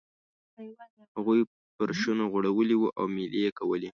هغوی فرشونه غوړولي وو او میلې یې کولې.